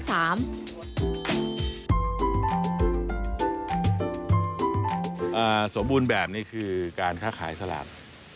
สมบูรณ์แบบนี้คือการค้าขายสลาก